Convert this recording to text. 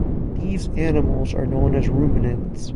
These animals are known as ruminants.